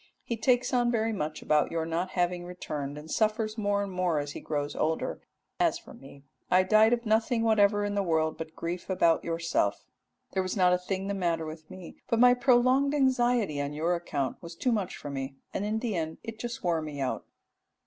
He takes on very much about your not having returned, and suffers more and more as he grows older: as for me I died of nothing whatever in the world but grief about yourself. There was not a thing the matter with me, but my prolonged anxiety on your account was too much for me, and in the end it just wore me out.'"